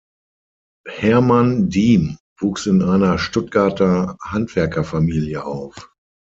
Hermann Diem wuchs in einer Stuttgarter Handwerkerfamilie auf.